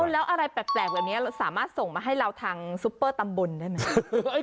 แล้วอะไรแปลกแบบนี้เราสามารถส่งมาให้เราทางซุปเปอร์ตำบลได้ไหม